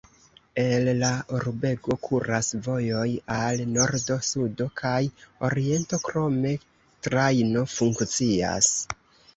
El la urbego kuras vojoj al nordo, sudo kaj oriento, krome trajno funkcias.